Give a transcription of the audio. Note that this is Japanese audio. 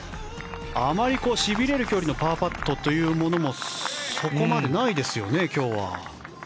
あまり、しびれる距離のパーパットというものもそこまでないですよね、今日は。